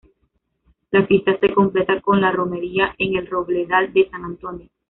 La fiesta se completa con la romería en el robledal de San Antonio.